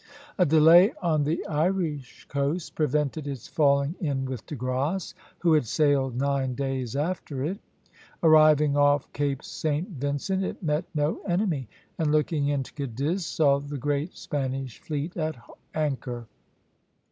A delay on the Irish coast prevented its falling in with De Grasse, who had sailed nine days after it. Arriving off Cape St. Vincent, it met no enemy, and looking into Cadiz saw the great Spanish fleet at anchor.